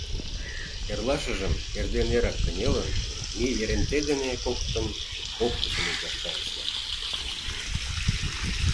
Эрлашыжым, эрден эрак кынелын, ме Еренте дене коктын оптышым ончаш кайышна.